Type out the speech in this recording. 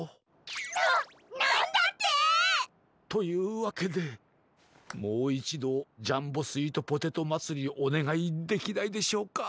ななんだって！？というわけでもういちどジャンボスイートポテトまつりおねがいできないでしょうか？